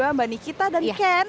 dan juga mbak nikita dan ken